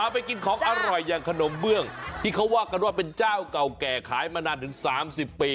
ไปกินของอร่อยอย่างขนมเบื้องที่เขาว่ากันว่าเป็นเจ้าเก่าแก่ขายมานานถึง๓๐ปี